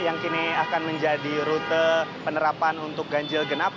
yang kini akan menjadi rute penerapan untuk ganjil genap